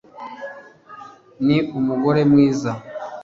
Ni umugore mwiza